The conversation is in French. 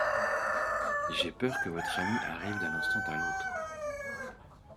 J'ai peur que votre ami arrive d'un instant à l'autre.